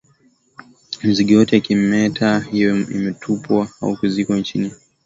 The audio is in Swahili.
Mizoga yote ya kimeta iwe imetupwa au kuzikwa chini sana au kuteketezwa